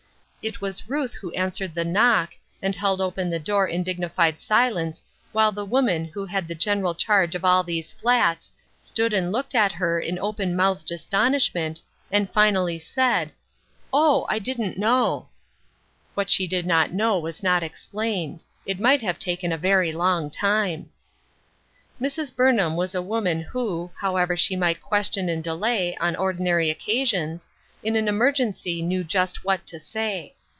It was Ruth who answered the knock, and held open the door in dignified silence while the woman who had the general charge of all these " flats " stood and looked at her in open mouthed astonishment, and 322 UNDER GUIDANCE. finally said, " Oh ! I didn't know." What she did not know was not explained ; it might have taken a very long time. Mrs. Burnham was a woman who, however she might question and delay, on ordinary occasions, in an emergency knew just what to say.